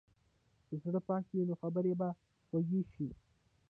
که زړه پاک وي، نو خبرې به خوږې شي.